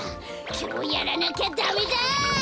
きょうやらなきゃダメだ！